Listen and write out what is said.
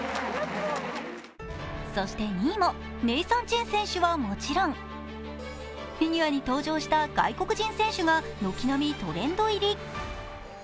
そして２位もネイサン・チェン選手はもちろん、フィギュアに登場した外国人選手が軒並みトレンド入り。